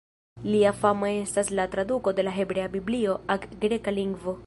Lia fama estas la traduko de la Hebrea Biblio ak greka lingvo.